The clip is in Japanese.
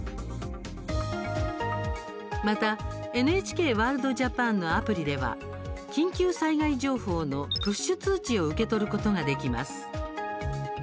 またＮＨＫワールドＪＡＰＡＮのアプリでは緊急災害情報のプッシュ通知を受け取ることができます。